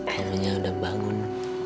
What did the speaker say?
kamunya udah bangun